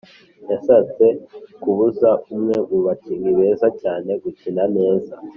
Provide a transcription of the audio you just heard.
Yashatse kubuza umwe mu bakinyi beza cyane gukina neza